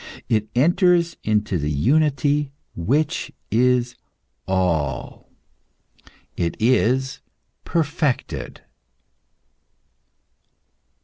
It enters into the unity which is All. It is perfected.